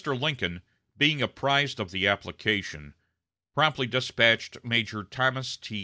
Lincoln, being apprised of the application, promptly despatched Major Thomas T.